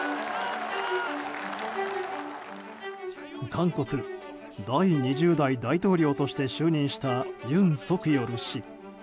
韓国第２０代大統領として就任した尹錫悦氏。